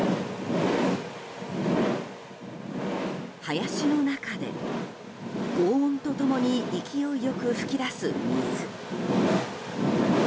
林の中で、轟音とともに勢いよく噴き出す水。